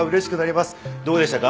どうでしたか？